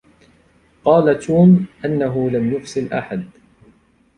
قال توم أنّه لم يُفصل أحد.